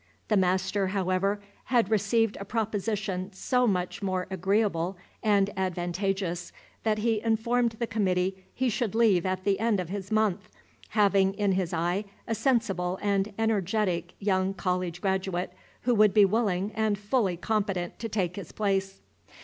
The master, however, had received a proposition so much more agreeable and advantageous, that he informed the committee he should leave at the end of his month, having in his eye a sensible and energetic young college graduate who would be willing and fully competent to take his place.